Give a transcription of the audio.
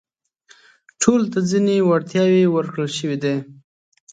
ټولو ته ځينې وړتياوې ورکړل شوي دي.